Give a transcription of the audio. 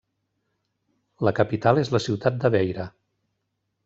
La capital és la ciutat de Beira.